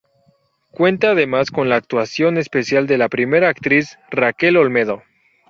Cuenta además con la actuación especial de la primera actriz Raquel Olmedo.